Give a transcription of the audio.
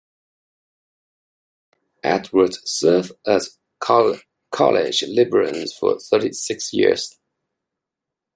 Edwards served as College librarian for thirty-six years.